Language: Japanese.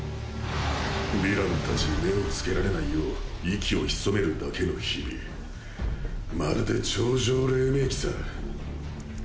ヴィラン達に目をつけられないよう息を潜めるだけの日々まるで超常黎明期さぁ。